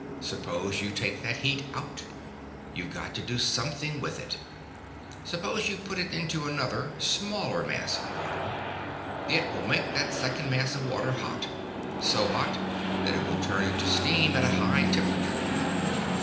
Suppose you take that heat out. You've got to do something with it. Suppose you put it into another smaller mass of water. It will make that second mass of water hot, so hot that it will turn into steam at a high temperature."